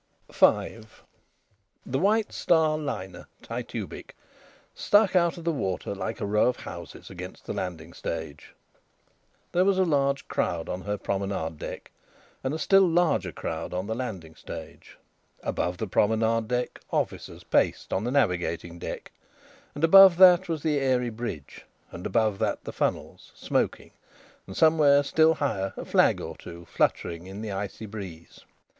V The White Star liner, Titubic, stuck out of the water like a row of houses against the landing stage. There was a large crowd on her promenade deck, and a still larger crowd on the landing stage. Above the promenade deck officers paced on the navigating deck, and above that was the airy bridge, and above that the funnels, smoking, and somewhere still higher a flag or two fluttering in the icy breeze.